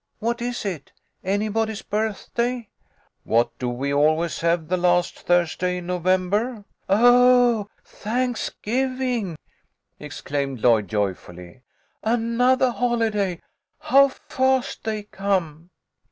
What is it ? Anybody's birthday ?" "What do we always have the last Thursday in November ?"" Oh, Thanksgiving !" exclaimed Lloyd, joyfully. " Anothah holiday ! How fast they come